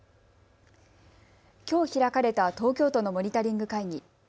きょう開かれた東京都のモニタリング会議。